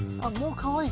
かわいい！